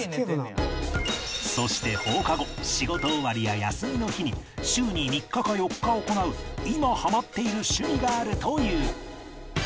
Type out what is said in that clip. そして放課後仕事終わりや休みの日に週に３日か４日行う今ハマっている趣味があるという